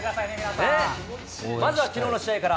まずはきのうの試合から。